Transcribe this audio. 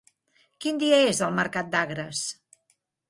Quin dia és el mercat d'Agres?